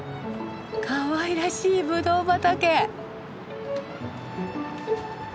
かわいらしいぶどう畑。